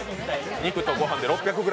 肉とごはんで６００ｇ